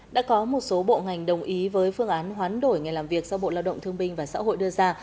đã có một số bộ ngành đồng ý với phương án hoán đổi ngày làm việc do bộ lao động thương minh và xã hội đưa ra